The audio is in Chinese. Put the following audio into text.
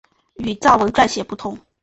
与藏文转写不同。